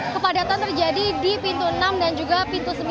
kepadatan terjadi di pintu enam dan juga pintu sembilan